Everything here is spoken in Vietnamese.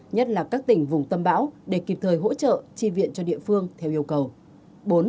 nhất là các tỉnh vùng tâm bão để kịp thời hỗ trợ chi viện cho địa phương theo yêu cầu